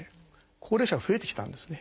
高齢者が増えてきたんですね。